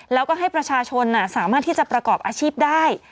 แล้วก็ให้ประชาชนสามารถที่จะประกอบอาชีพได้